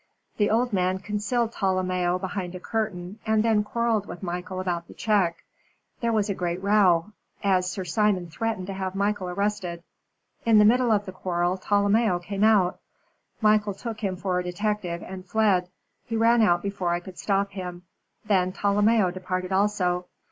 The old man concealed Tolomeo behind a curtain, and then quarrelled with Michael about the check. There was a great row, as Sir Simon threatened to have Michael arrested. In the middle of the quarrel Tolomeo came out. Michael took him for a detective, and fled. He ran out before I could stop him. Then Tolomeo departed also.